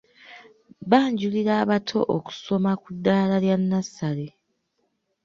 Banjulira abato okusoma ku ddaala lya nnasale.